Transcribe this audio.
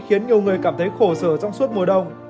khiến nhiều người cảm thấy khổ sở trong suốt mùa đông